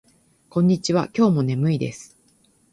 こんにちは。今日も眠いです。